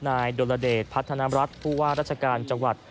ดลเดชพัฒนรัฐผู้ว่าราชการจังหวัด